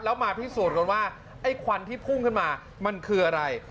แล้วมาพิสูจน์กันว่าไอ้ควันที่พุ่งขึ้นมามันคืออะไร